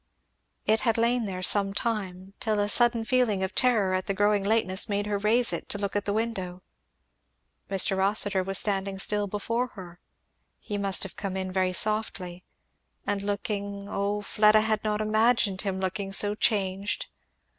It had lain there some time, till a sudden felling of terror at the growing lateness made her raise it to look at the window. Mr. Rossitur was standing still before her, he must have come in very softly, and looking, oh Fleda had not imagined him looking so changed.